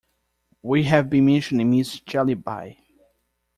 We have been mentioning Mrs. Jellyby.